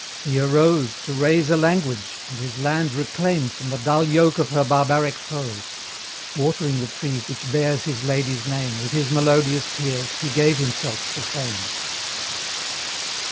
He arose To raise a language, and his land reclaim From the dull yoke of her barbaric foes: Watering the tree which bears his lady's name With his melodious tears, he gave himself to fame.